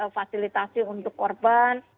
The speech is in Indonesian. fasilitasi untuk korban